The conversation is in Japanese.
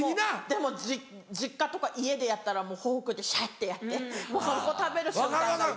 でも実家とか家でやったらもうフォークでシャってやってもうそこ食べる瞬間が一番。